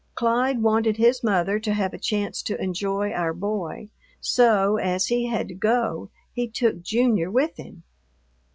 Clyde wanted his mother to have a chance to enjoy our boy, so, as he had to go, he took Junior with him.